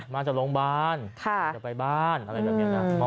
มาจากโรงพยาบาลจะไปบ้านอะไรแบบนี้นะ